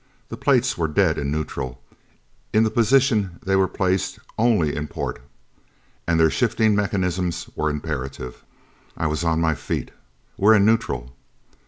The plates were dead in neutral: in the position they were placed only in port! And their shifting mechanisms were imperative! I was on my feet. "We're in neutral!"